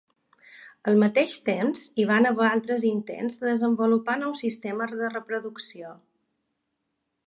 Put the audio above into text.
Al mateix temps hi van haver altres intents de desenvolupar nous sistemes de reproducció.